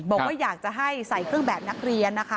บอกว่าอยากจะให้ใส่เครื่องแบบนักเรียนนะคะ